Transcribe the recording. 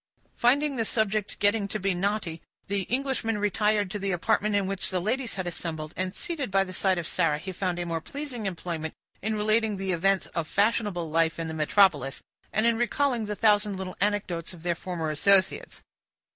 Finding the subject getting to be knotty, the Englishman retired to the apartment in which the ladies had assembled; and, seated by the side of Sarah, he found a more pleasing employment in relating the events of fashionable life in the metropolis, and in recalling the thousand little anecdotes of their former associates.